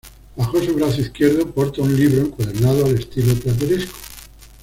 Bajo su brazo izquierdo porta un libro encuadernado al estilo plateresco.